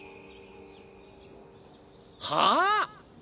はあ⁉